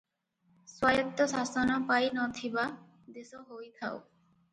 ସ୍ୱାୟତ୍ତଶାସନ ପାଇ ନଥିବା ଦେଶ ହୋଇଥାଉ ।